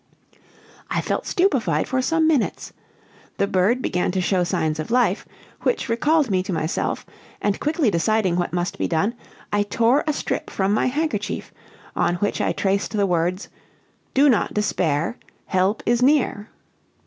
"I felt stupefied for some minutes: the bird began to show signs of life, which recalled me to myself; and, quickly deciding what must be done, I tore a strip from my handkerchief, on which I traced the words 'Do not despair! Help is near!'